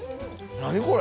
何これ。